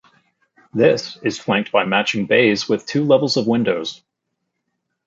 This is flanked by matching bays with two levels of windows.